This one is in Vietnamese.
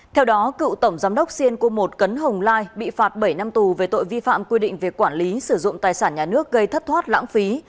theo đó cựu tổng giám đốc cenco một cấn hồng lai bị phạt bảy năm tù về tội vi phạm quy định về quản lý sử dụng tài sản nhà nước gây thất thoát lãng phí